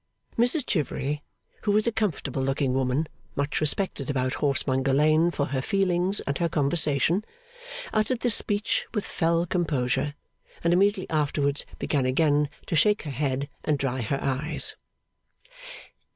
Mrs Chivery, who was a comfortable looking woman much respected about Horsemonger Lane for her feelings and her conversation, uttered this speech with fell composure, and immediately afterwards began again to shake her head and dry her eyes.